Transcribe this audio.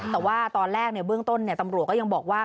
แต่ว่าตอนแรกเนี่ยเบื้องต้นเนี่ยตำรวจก็ยังบอกว่า